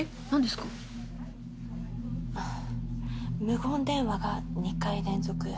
無言電話が２回連続。